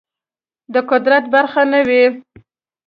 د قدرت برخه نه وي